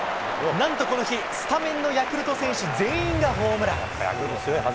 なんとこの日、スタメンのヤクルト選手全員がホームラン。